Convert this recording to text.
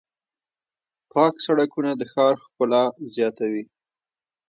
پاک سړکونه د ښار ښکلا زیاتوي.